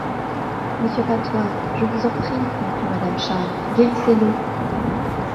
Monsieur Patoir, je vous en prie, conclut madame Charles, guérissez-le.